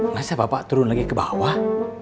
masih apa pak turun lagi ke bawah